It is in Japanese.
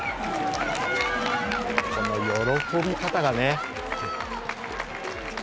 この喜び方がね。